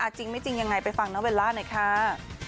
จริงไม่จริงยังไงไปฟังน้องเบลล่าหน่อยค่ะ